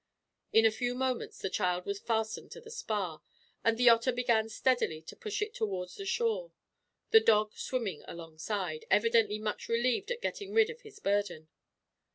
In a few moments the child was fastened to the spar, and the Otter began steadily to push it towards the shore; the dog swimming alongside, evidently much relieved at getting rid of his burden.